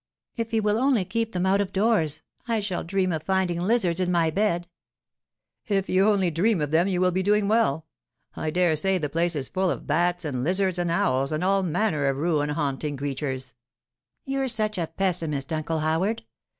'If he will only keep them out of doors! I shall dream of finding lizards in my bed.' 'If you only dream of them you will be doing well. I dare say the place is full of bats and lizards and owls and all manner of ruin haunting creatures.' 'You're such a pessimist, Uncle Howard.